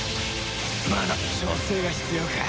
まだ調整が必要か。